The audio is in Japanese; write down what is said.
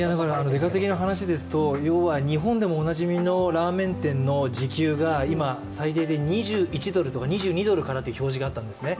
出稼ぎの話ですと、日本でもおなじみのラーメン店の時給が今、最低で２１ドルとか２２ドルという表示があったんですね。